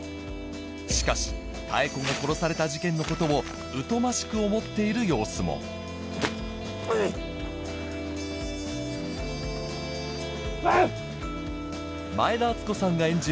しかし妙子が殺された事件のことを疎ましく思っている様子もおぉ出て来た。